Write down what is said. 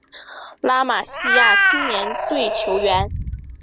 拉玛西亚青年队球员